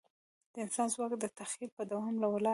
د انسان ځواک د تخیل په دوام ولاړ دی.